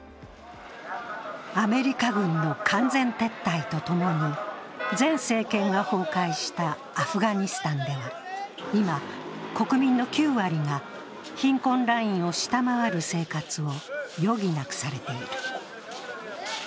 アメリカ軍の完全撤退とともにに前政権が崩壊したアフガニスタンでは、今、国民の９割が貧困ラインを下回る生活を余儀なくされている。